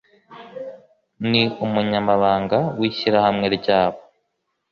ni umunyamabanga w’ishyirahamwe ryabo